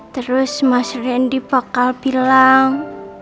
terus mas randy bakal bilang